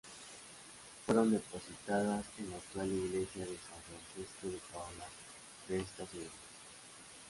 Fueron depositadas en la actual iglesia de San Francesco da Paola de esta ciudad.